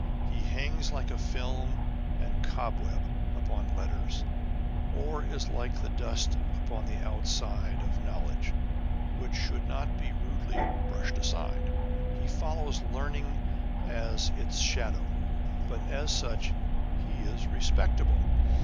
He hangs like a film and cobweb upon letters, or is like the dust upon the outside of knowledge, which should not be rudely brushed aside. He follows learning as its shadow ; but as such, he is respectable.